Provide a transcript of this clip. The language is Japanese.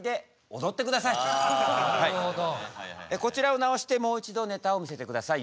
こちらをなおしてもう一度ネタを見せて下さい。